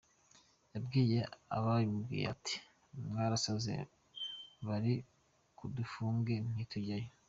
Yabwiye ababimubwiye ati “Mwarasaze, bari budufunge nitujyayo.